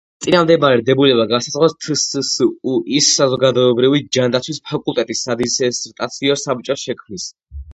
წინამდებარე დებულება განსაზღვრავს თსსუ-ის საზოგადოებრივი ჯანდაცვის ფაკულტეტის სადისერტაციო საბჭოს შექმნის.